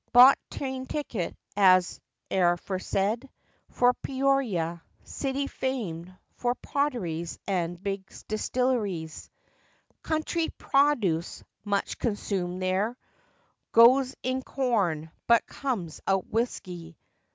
Bought train ticket, as aforesaid, For Peoria—city famed for Potteries and big distilleries. FACTS AND FANCIES. 13 "Country produce" much consumed there— Goes in corn, but comes out whisky.